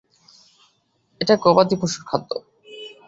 এটা গবাদি পশুর খাদ্য।